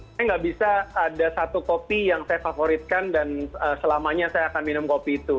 saya nggak bisa ada satu kopi yang saya favoritkan dan selamanya saya akan minum kopi itu